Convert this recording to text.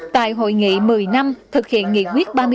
tại hội nghị một mươi năm thực hiện nghị quyết ba mươi bốn